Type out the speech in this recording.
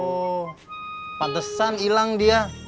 oh pantesan hilang dia